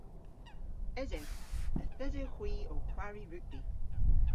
Esewgh. Yth esewgh hwi ow kwari rugbi.